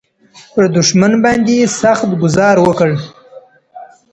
پر دښمن باندې سخت ګوزار وکړه.